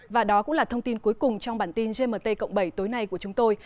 và đó cũng là thông tin cuối cùng trong bản tin gmt cộng bảy tối nay của chúng tôi